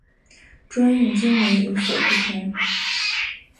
专用经文有所不同。